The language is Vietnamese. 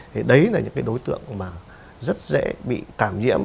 thì đấy là những cái đối tượng mà rất dễ bị cảm nhiễm